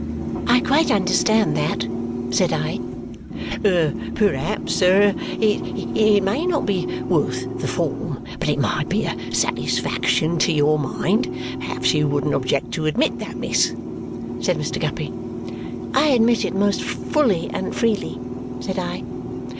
"I quite understand that," said I. "Perhaps er it may not be worth the form, but it might be a satisfaction to your mind perhaps you wouldn't object to admit that, miss?" said Mr. Guppy. "I admit it most fully and freely," said I.